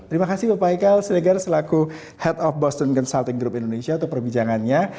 terima kasih bapak ikal siregar selaku head of boston consulting group indonesia untuk perbincangannya